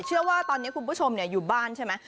เชื่อว่าตอนนี้คุณผู้ชมอยู่บ้านใช่ไหม